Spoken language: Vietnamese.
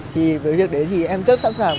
thì với việc đấy thì em rất sẵn sàng